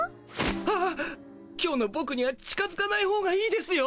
ああ今日のボクには近づかないほうがいいですよ。